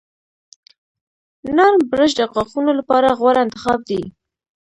نرم برش د غاښونو لپاره غوره انتخاب دی.